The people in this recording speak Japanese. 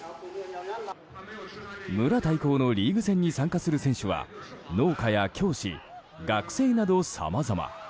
村対抗のリーグ戦に参加する選手は、農家や教師学生などさまざま。